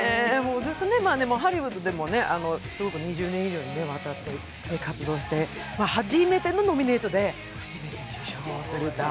ずっとハリウッドでも２０年以上にわたって活動して、初めてのノミネートで初めて受賞するっていう。